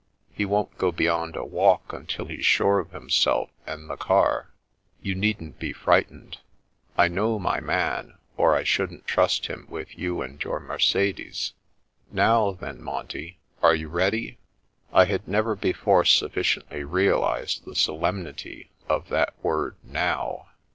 He won't go beyond a walk until he's sure of himself and the car. You needn't be frightened. I know my man, or I shouldn't trust him with you and your Merce des. Now, then, Monty, are you ready?" I had never before sufficiently realised the solem nity of that word " now."